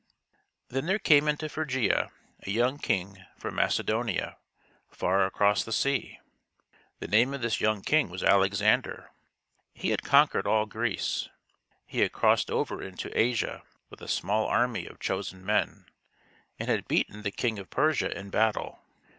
Then there came into Phrygia a young king from Macedonia, far across the sea. The name of this young king was Alexander. He had con quered all Greece. He had crossed over into Asia with a small army of chosen men, and had beaten the king of Persia in battle.